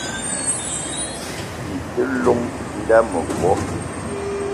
Bi te llong m'nda mevo